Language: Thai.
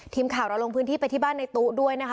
ทีมข่าวเราลงพื้นที่ไปที่บ้านในตู้ด้วยนะคะ